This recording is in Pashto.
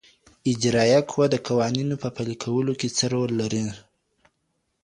اجرائيه قوه د قوانينو په پلي کولو کي څه رول لري؟